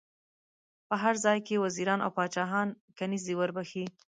په هر ځای کې وزیران او پاچاهان کنیزي ور بخښي.